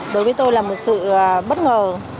đối với tôi là một sự bất ngờ